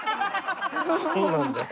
そうなんだよ